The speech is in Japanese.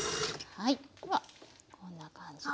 はいではこんな感じで。